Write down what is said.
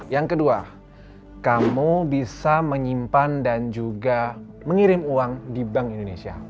yang kedua kamu bisa menyimpan dan juga mengirim uang di bank indonesia